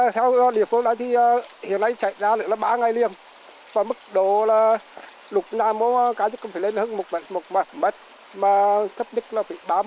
còn mức độ lục nàm của cá chức cũng phải lên hơn một mạch mà thấp nhất là một ba mươi